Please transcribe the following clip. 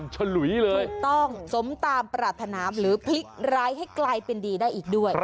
ฉลุยเลยถูกต้องสมตามปรารถนามหรือพลิกร้ายให้กลายเป็นดีได้อีกด้วย